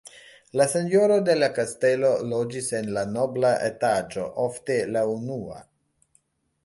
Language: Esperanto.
La senjoro de la kastelo loĝis en la nobla etaĝo, ofte la unua.